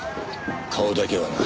顔だけはな。